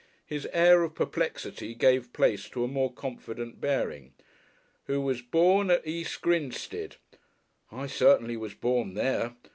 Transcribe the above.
His air of perplexity gave place to a more confident bearing. "' who was born at East Grinstead.' I certainly was born there.